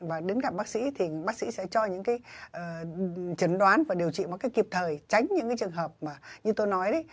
và đứng gặp bác sĩ thì bác sĩ sẽ cho những cái chẩn đoán và điều trị một cách kịp thời tránh những cái trường hợp mà như tôi nói đấy